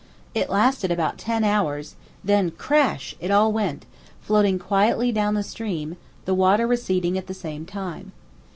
It lasted about ten hours, then crash it all went, floating quietly down the stream, the water receding at the same time.